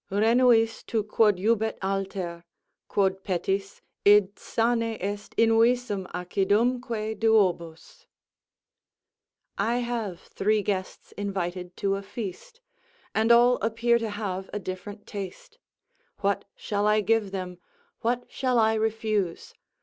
Renuis tu quod jubet alter; Quod petis, id sane est invisum acidumque duobus; "I have three guests invited to a feast, And all appear to have a different taste; What shall I give them? What shall I refuse?